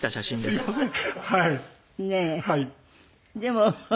すみません。